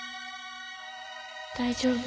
大丈夫。